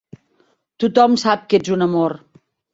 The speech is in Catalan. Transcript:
Tothom sap que ets un amor.